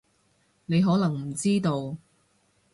你可能唔知道